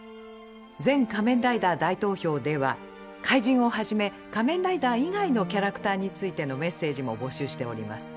「全仮面ライダー大投票」では怪人をはじめ仮面ライダー以外のキャラクターについてのメッセージも募集しております。